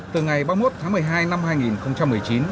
từ ngày ba mươi một tháng một mươi hai năm hai nghìn một mươi chín